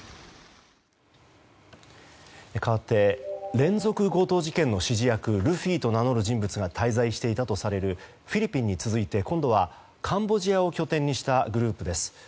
かわって連続強盗事件の指示役ルフィと名乗る人物が滞在していたとされるフィリピンに続いて今度はカンボジアを拠点にしたグループです。